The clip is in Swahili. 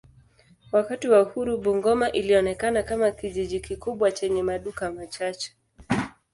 Wakati wa uhuru Bungoma ilionekana kama kijiji kikubwa chenye maduka machache.